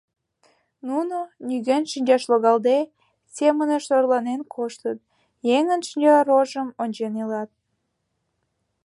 Нуно, нигӧн шинчаш логалде, семынышт орланен коштыт, еҥын шинчарожым ончен илат.